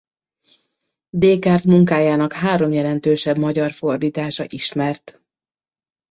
Descartes munkájának három jelentősebb magyar fordítása ismert.